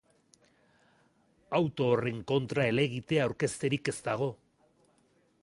Auto horren kontra helegitea aurkezterik ez dago.